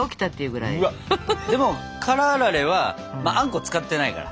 でも辛あられはあんこ使ってないから。